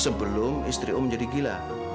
sebelum istri om jadi gila